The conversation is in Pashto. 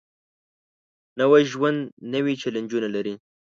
نوی ژوند نوې چیلنجونه لري